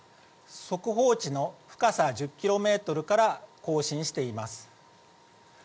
速報値の深さ１０キロメートルから更新しています。